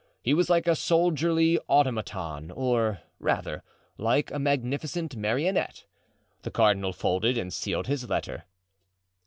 He was like a soldierly automaton, or rather, like a magnificent marionette. The cardinal folded and sealed his letter.